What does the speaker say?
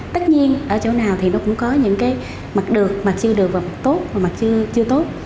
tất nhiên ở chỗ nào thì nó cũng có những cái mặt được mặt chưa được và mặt tốt và mặt chưa tốt